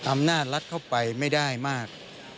อำนาจรัฐเข้าไปไม่ได้มาก